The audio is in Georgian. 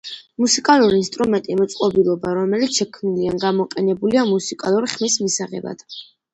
მუსიკალური ინსტრუმენტი მოწყობილობა რომელიც შექმნილი ან და გამოყენებულია მუსიკალური ხმის მისაღებად.